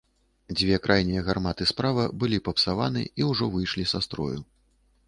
Дзве крайнія гарматы справа былі папсаваны і ўжо выйшлі са строю.